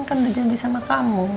kan udah janji sama kamu